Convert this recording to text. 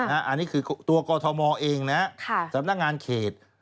อันนี้คือตัวกอทมเองนะสำนักงานเขต